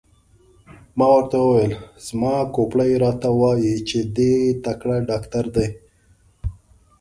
ما ورته وویل: زما کوپړۍ راته وایي چې دی تکړه ډاکټر دی.